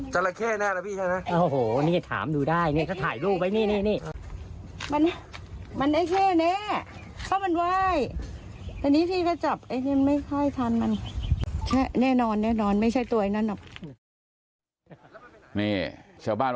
จราแค่แน่นะพี่ใช่ไหม